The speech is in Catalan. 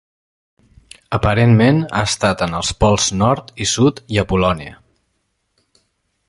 Aparentment, ha estat en els pols nord i sud i a Polònia.